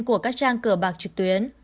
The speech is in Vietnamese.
của các trang cờ bạc trực tuyến